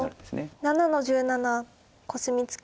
白７の十七コスミツケ。